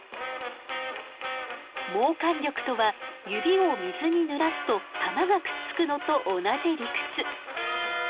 毛管力とは指を水にぬらすと玉がくっつくのと同じ理屈。